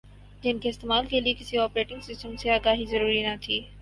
جن کے استعمال کے لئے کسی اوپریٹنگ سسٹم سے آگاہی ضروری نہ تھی